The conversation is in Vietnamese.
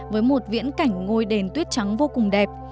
với một viễn cảnh ngôi đền tuyết trắng vô cùng đẹp